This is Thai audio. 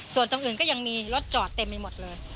ส่วนตรงอื่นก็ยังมีรถจอดเต็มไปหมดเลย